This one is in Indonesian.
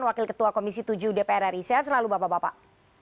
wakil ketua komisi tujuh dpr ri sehat selalu bapak bapak